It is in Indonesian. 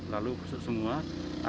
lalu busuk semuanya